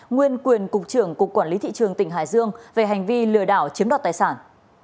nguyên quyền cục trưởng cục quản lý thị trường tỉnh hải dương về hành vi lừa đảo chiếm đoạt tài sản